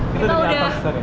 kita udah di outdoor